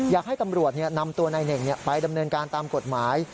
อยากให้ตำรวจนำตัวนายเหน่งไปดำเนินการตามกฎหมาย